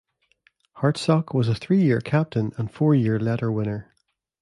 Hartsock was a three-year captain and four-year letter winner.